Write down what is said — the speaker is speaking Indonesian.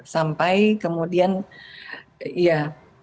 sampai kemudian ya